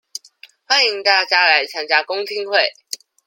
歡迎大家來參加公聽會